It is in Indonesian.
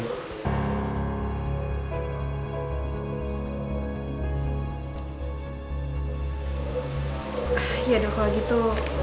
yaudah kalo gitu